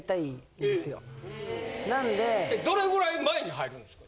どれぐらい前に入るんですか？